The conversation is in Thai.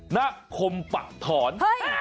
นครปะถอน